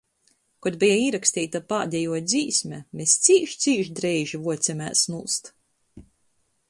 Kod beja īraksteita pādejuo dzīsme, mes cīš, cīš dreiži vuocemēs nūst.